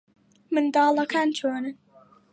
منداڵەکان چۆنن؟